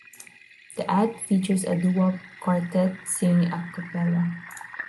The ad features a doo-wop quartet singing a cappella.